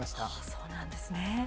そうなんですね。